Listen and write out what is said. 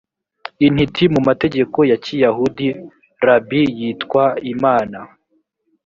intiti mu mategeko ya kiyahudi rabi yitwa imana